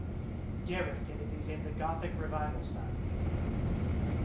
Derick and it is in Gothic revival style.